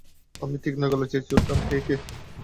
আমি তীক্ষ্ণ গলায় চেঁচিয়ে উঠলাম, কে, কে?